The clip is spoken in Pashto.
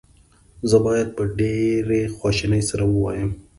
زه باید په ډېرې خواشینۍ سره ووایم.